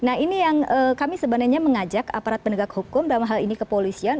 nah ini yang kami sebenarnya mengajak aparat penegak hukum dalam hal ini kepolisian